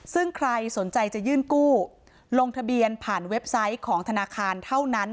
ซึ่งใครสนใจจะยื่นกู้ลงทะเบียนผ่านเว็บไซต์ของธนาคารเท่านั้น